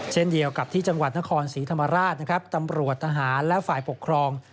เช่นเดียวกับที่จังหวัดนครศรีธรรมราชนะครับตำรวจทหารและฝ่ายปกครอง